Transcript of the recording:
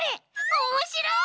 おもしろい！